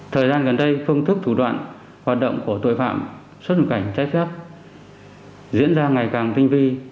thời gian gần đây phương thức thủ đoạn hoạt động của tội phạm xuất nhập cảnh trái phép diễn ra ngày càng tinh vi